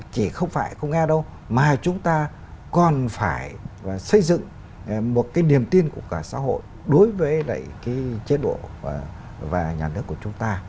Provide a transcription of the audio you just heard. chỉ không phải không nghe đâu mà chúng ta còn phải xây dựng một cái niềm tin của cả xã hội đối với lại cái chế độ và nhà nước của chúng ta